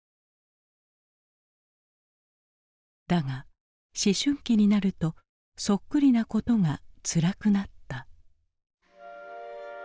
だが思春期になるとそっくりなことがつらくなった。